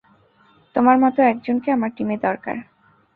তোমার মতো একজনকে আমার টিমে দরকার।